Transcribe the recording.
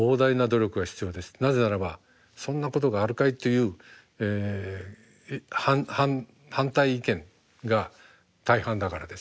なぜならば「そんなことがあるかい」という反対意見が大半だからです。